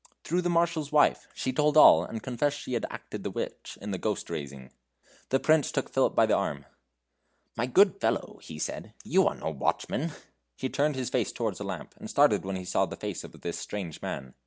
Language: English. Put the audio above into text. "Through the Marshal's wife. She told all, and confessed she had acted the witch in the ghost raising." The Prince took Philip by the arm. "My good fellow," he said, "you are no watchman." He turned his face towards a lamp, and started when he saw the face of this strange man.